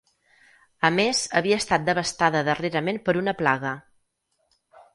A més havia estat devastada darrerament per una plaga.